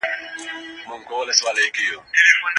ولي ځيني هیوادونه ډیموکراتیکي ټاکني نه مني؟